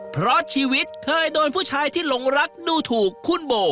เพราะชีวิตเคยโดนผู้ชายที่หลงรักดูถูกคุณโบ